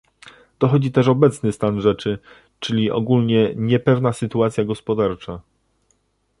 Dochodzi też obecny stan rzeczy, czyli ogólnie niepewna sytuacja gospodarcza